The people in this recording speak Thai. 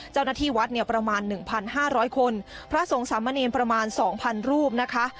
เจ้าหน้าที่วัดเนี่ยประมาณหนึ่งพันห้าร้อยคนพระสงฆ์สามมะเนมประมาณสองพันรูปนะคะ